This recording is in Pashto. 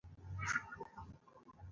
پلان هدف ته د رسیدو اساسي فعالیت دی.